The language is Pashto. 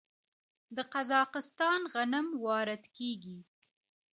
د قزاقستان غنم وارد کیږي.